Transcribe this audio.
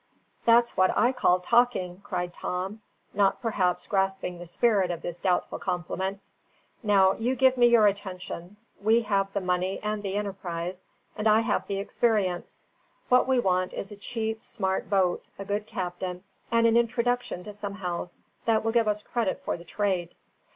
"That's what I call talking," cried Tom, not perhaps grasping the spirit of this doubtful compliment. "Now you give me your attention. We have the money and the enterprise, and I have the experience: what we want is a cheap, smart boat, a good captain, and an introduction to some house that will give us credit for the trade."